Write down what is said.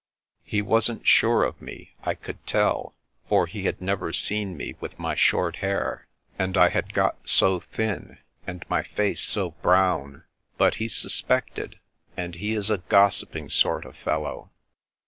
He wasn't sure of me, I could tell : for be bad never seen me with my hair short; and I had 366 The Princess Passes got so thin, and my face so brown ; but he suspected^ and he is a gossiping sort of fellow.